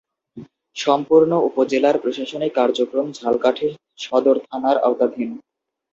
সম্পূর্ণ উপজেলার প্রশাসনিক কার্যক্রম ঝালকাঠি সদর থানার আওতাধীন।